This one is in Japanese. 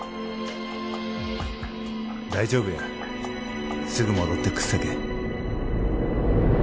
大丈夫やすぐ戻ってくっさけ